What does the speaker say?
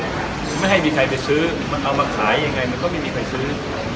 ไม่ให้มีใครไปซื้อเอามาขายยังไงมันก็ไม่มีใครซื้อ